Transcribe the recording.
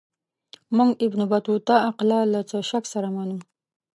موږ ابن بطوطه اقلا له څه شک سره منو.